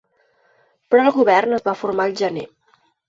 Però el govern es va formar el gener.